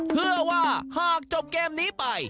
เพื่อว่าหากจบเกมนี้ไป